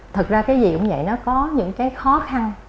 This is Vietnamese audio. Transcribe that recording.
thật ra cái gì cũng vậy nó có những cái khó khăn mà mình cần phải nỗ lực